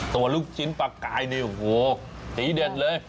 ตัวลูกชิ้นปลากรายเนี่ยโอ้โฮดีเด็ดเลย